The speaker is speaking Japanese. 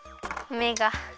めが。